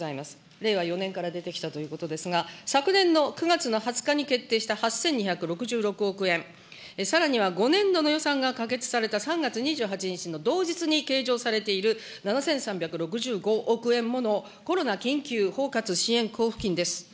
令和４年から出てきたということでございますが、昨年の９月の２０日に決定した８２６６億円、さらには５年度の予算が可決された３月２８日の同日に計上されている７３６５億円ものコロナ緊急包括支援交付金です。